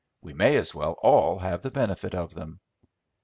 We may as well all have the benefit of them."